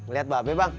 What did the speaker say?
liat babek bang